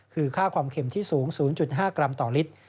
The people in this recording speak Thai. คือค่าความเข็มที่สูง๐๕กรัมต่อลิตร